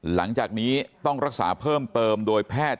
หลังจากนี้ต้องรักษาเพิ่มเติมโดยแพทย์